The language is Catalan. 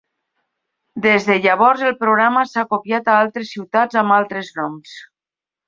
Des de llavors, el programa s"ha copiat a altres ciutats amb altres noms.